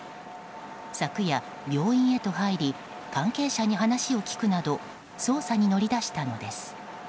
昨夜、病院へと入り関係者に話を聞くなど捜査に乗り出したのです。